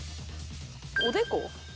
おでこ？